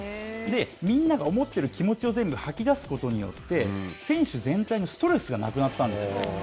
みんなが思っている気持ちを全部吐き出すことによって、選手全体のストレスがなくなったんですね。